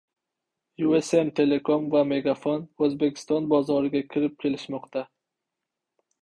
YueSeM Telekom va MegaFon O‘zbekiston bozoriga kirib kelishmoqda